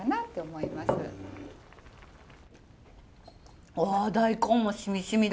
うわ大根もしみしみだ！